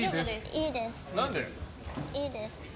いいです。